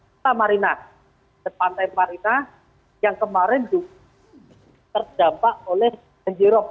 kawasan silamarina pantai marina yang kemarin juga terdampak oleh banjirok